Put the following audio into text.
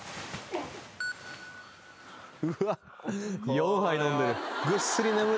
４杯飲んでる。